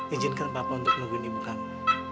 ijinkan papa untuk nungguin ibu kamu